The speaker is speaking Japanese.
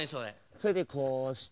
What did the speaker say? それでこうして。